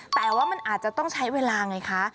แต่ว่ามันอาจจะต้องใช้เวลาไงคะ